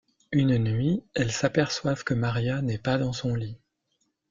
Une nuit, elles s'aperçoivent que Maria n'est pas dans son lit.